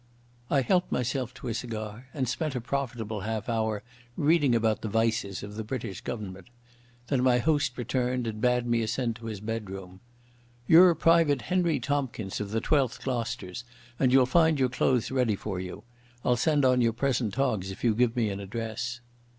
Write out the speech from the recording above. I helped myself to a cigar and spent a profitable half hour reading about the vices of the British Government. Then my host returned and bade me ascend to his bedroom. "You're Private Henry Tomkins of the 12th Gloucesters, and you'll find your clothes ready for you. I'll send on your present togs if you give me an address."